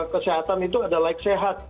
kesehatan itu adalah like sehat